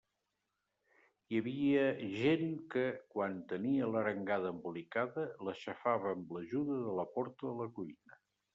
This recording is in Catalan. Hi havia gent que, quan tenia l'arengada embolicada, l'aixafava amb l'ajuda de la porta de la cuina.